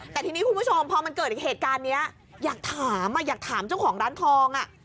แต่ทีนี้คุณผู้ชมพอมันเกิดเหตุการณ์นี้อยากถามอยากถามเจ้าของร้านทอง